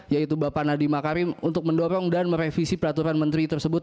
yaitu bapak nadiem makarim untuk mendorong dan merevisi peraturan menteri tersebut